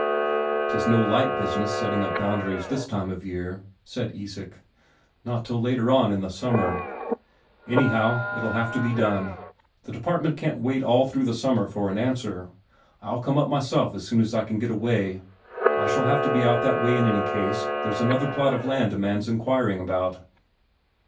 "'Tis no light business setting up boundaries this time of year," said Isak. "Not till later on in the summer." "Anyhow, it'll have to be done. The Department can't wait all through the summer for an answer. I'll come up myself as soon as I can get away. I shall have to be out that way in any case, there's another plot of land a man's inquiring about."